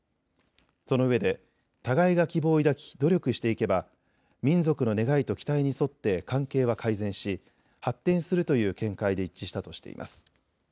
そのうえで互いが希望を抱き努力していけば民族の願いと期待に沿って関係は改善し発展するという見解で一致したとしています。